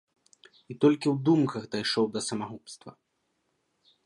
І толькі ў думках дайшоў да самагубства.